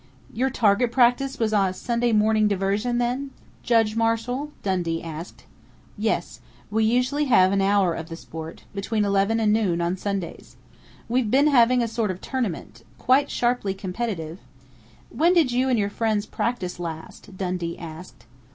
"Your target practice was a Sunday morning diversion, then, Judge Marshall?" Dundee asked. "Yes. We usually have an hour of the sport between eleven and noon, on Sundays. We've been having a sort of tournament quite sharply competitive " "When did you and your friends practise last?" Dundee asked.